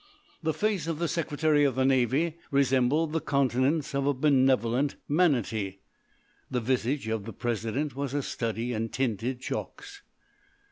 The face of the Secretary of the Navy resembled the countenance of a benevolent manatee. The visage of the President was a study in tinted chalks.